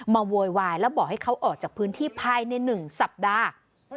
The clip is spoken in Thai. โวยวายแล้วบอกให้เขาออกจากพื้นที่ภายใน๑สัปดาห์